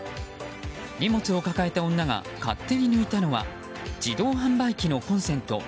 荷物を抱えた女が勝手に抜いたのは自動販売機のコンセント。